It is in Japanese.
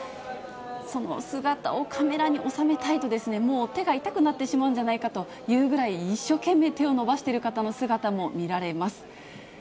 その姿をカメラに収めたいと、もう手が痛くなってしまうんじゃないかというぐらい、一生懸命、手を伸ばしている人の姿も見られます。